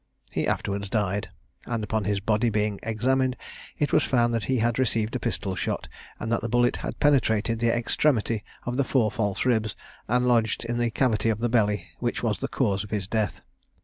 He afterwards died, and upon his body being examined, it was found that he had received a pistol shot, and that the bullet had penetrated the extremity of the four false ribs, and lodged in the cavity of the belly, which was the cause of his death.